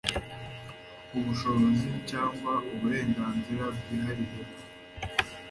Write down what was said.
ubushobozi cyangwa uburenganzira bwihariye bwo